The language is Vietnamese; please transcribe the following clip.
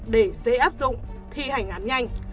để dễ áp dụng thi hành án nhanh